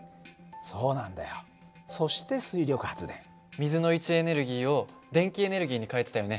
水の位置エネルギーを電気エネルギーに変えてたよね。